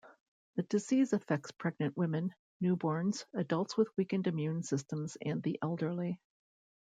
The disease affects pregnant women, newborns, adults with weakened immune systems, and the elderly.